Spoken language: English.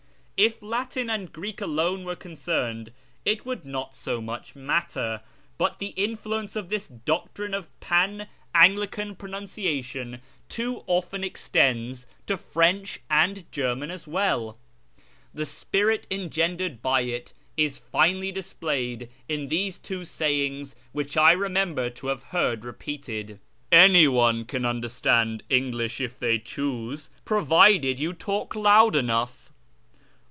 If Latin and Greek alone were concerned it would not so much matter, but the influence of this doctrine of pan Anglican pronunciation A YEAR A.VONGST THE PERSIANS too often extends to French and rferman as well. The s])iril engendered by it is finely di.si)layed in Miese two sayinj^s wliicli I roinenihor to have heard repeated —" Anyone can understand English if they choose, ])n)vided you talk loud enough."